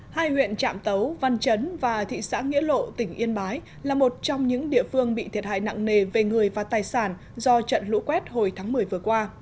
hai huyện trạm tấu văn chấn và thị xã nghĩa lộ tỉnh yên bái là một trong những địa phương bị thiệt hại nặng nề về người và tài sản do trận lũ quét hồi tháng một mươi vừa qua